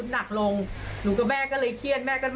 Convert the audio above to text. พี่สาวของเธอบอกว่ามันเกิดอะไรขึ้นกับพี่สาวของเธอ